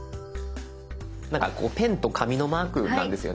なんかこうペンと紙のマークなんですよね。